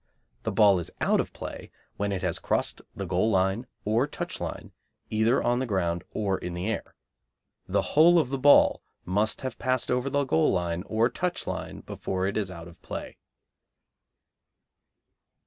The ball is out of play when it has crossed the goal line or touch line, either on the ground or in the air. (The whole of the ball must have passed over the goal line or touch line before it is out of play.)